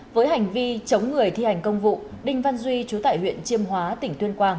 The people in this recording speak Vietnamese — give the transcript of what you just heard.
với hành vi chống người thi hành công vụ đinh văn duy chú tải huyện chiêm hóa tỉnh tuyên quang